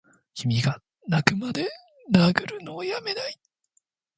君がッ泣くまで殴るのをやめないッ！